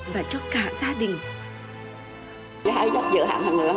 và cho cả gia đình